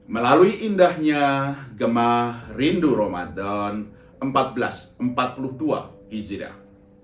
melalui indahnya gemah rindu ramadan seribu empat ratus empat puluh dua hijriah